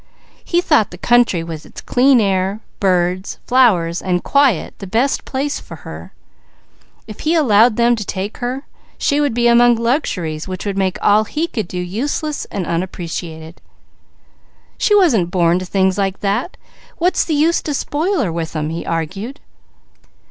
He thought the country with its clean air, birds, flowers and quiet the best place for her; if he allowed them to take her, she would be among luxuries which would make all he could do unappreciated. "She wasn't born to things like that; what's the use to spoil her with them?" he argued.